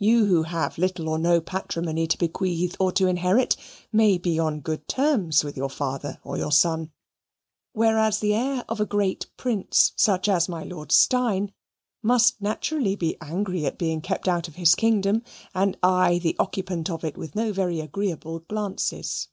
You who have little or no patrimony to bequeath or to inherit, may be on good terms with your father or your son, whereas the heir of a great prince, such as my Lord Steyne, must naturally be angry at being kept out of his kingdom, and eye the occupant of it with no very agreeable glances.